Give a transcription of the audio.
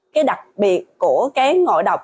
cái đặc biệt của cái ngộ độc